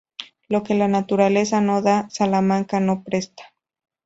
Lo que la naturaleza no da, Salamanca no presta